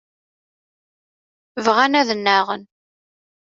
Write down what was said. Bɣan ad nnaɣen.